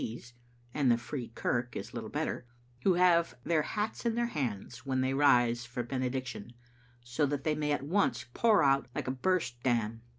's(and the Free Kirk is little better), who have their hats in their hand when they rise for the benedic tion, so that they may at once pour out like a burst dam.